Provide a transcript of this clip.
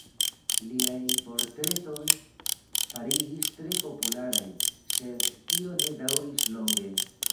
Liaj portretoj fariĝis tre popularaj, sed tio ne daŭris longe.